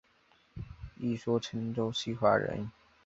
一说陈州西华人。